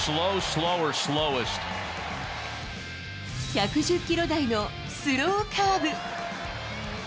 １１０キロ台のスローカーブ。